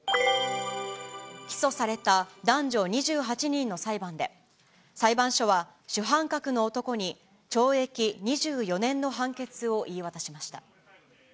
起訴された男女２８人の裁判で、裁判所は主犯格の男に懲役２４年の判決を言い渡しました。